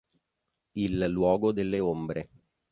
Il luogo delle ombre